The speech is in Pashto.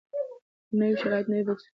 نوي شرایط نوي سبکونه رامنځته کوي.